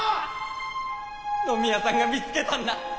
野宮さんが見つけたんだ！